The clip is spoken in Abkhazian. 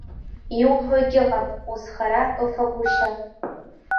Иуҳәо агьыҟам, узхара ыфагәышьа!